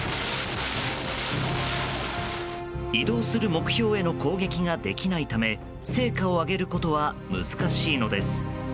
移動する目標への攻撃ができないため成果を挙げることは難しいのです。